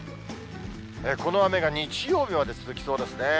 この雨が日曜日まで続きそうですね。